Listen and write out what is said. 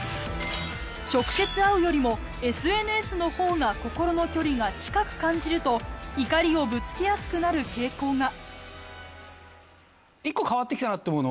直接会うよりもＳＮＳのほうが心の距離が近く感じると怒りをぶつけやすくなる傾向が。